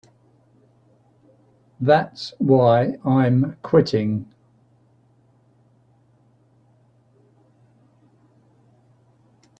That's why I'm quitting.